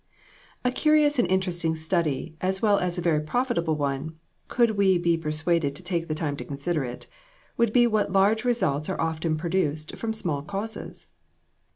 A CURIOUS and interesting study, as well as a very profitable one, could we be per suaded to take time to consider it, would be what large results are often produced from small causes.